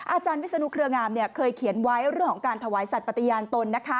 อาจารย์วิศนุเครืองามเคยเขียนไว้เรื่องของการถวายสัตว์ปฏิญาณตน